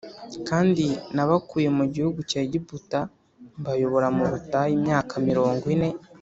Kandi nabakuye mu gihugu cya Egiputa mbayobora mu butayu imyaka mirongo ine